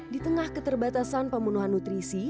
di tengah keterbatasan pembunuhan nutrisi